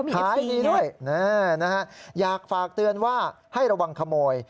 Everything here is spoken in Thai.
ขายดีด้วยอยากฝากเตือนว่าให้ระวังขโมย